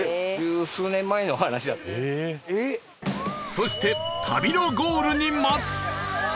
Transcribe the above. そして旅のゴールに待つ